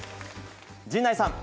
陣内さん。